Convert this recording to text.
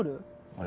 あれ？